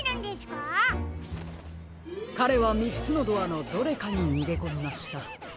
かれはみっつのドアのどれかににげこみました。